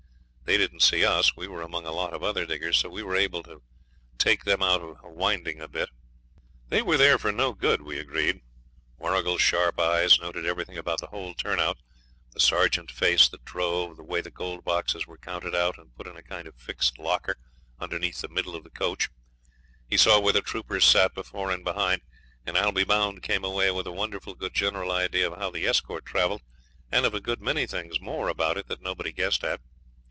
They didn't see us; we were among a lot of other diggers, so we were able to take them out of winding a bit. They were there for no good, we agreed. Warrigal's sharp eyes noted everything about the whole turn out the sergeant's face that drove, the way the gold boxes were counted out and put in a kind of fixed locker underneath the middle of the coach. He saw where the troopers sat before and behind, and I'll be bound came away with a wonderful good general idea of how the escort travelled, and of a good many things more about it that nobody guessed at.